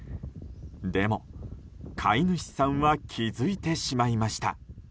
でも、飼い主さんは気づいてしまいました。